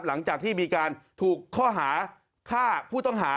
หลังจากที่มีการถูกข้อหาฆ่าผู้ต้องหา